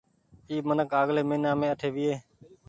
اي منک آگلي مهينآ مين اٺي ويئي۔